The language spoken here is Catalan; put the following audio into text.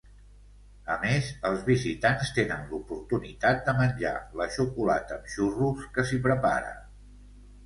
A més, els visitants tenen l'oportunitat de menjar la xocolata amb xurros que s'hi prepara.